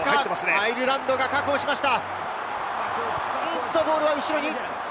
アイルランドが確保しました！